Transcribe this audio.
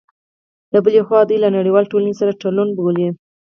له بلې خوا، دوی له نړیوالې ټولنې سره تړوني بولي